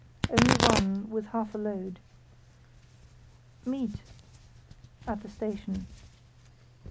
"Only one, with half a load." ".....meet?" "At the station."